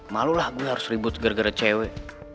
malulah gue harus ribut gara gara cewek